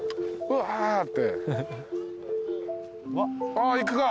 あいくか。